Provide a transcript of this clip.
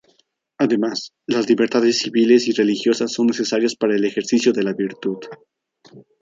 Además, las libertades civiles y religiosas son necesarias para el ejercicio de la virtud.